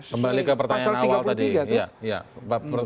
kembali ke pertanyaan awal tadi